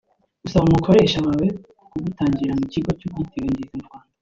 Gusaba umukoresha wawe kugutangira mu Kigo cy’Ubwiteganyirize mu Rwanda